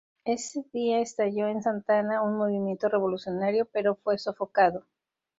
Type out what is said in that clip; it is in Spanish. Ese día estalló en Santa Ana un Movimiento Revolucionario, pero fue sofocado.